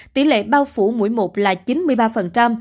tỷ lệ bao phủ mũi một là chín mươi ba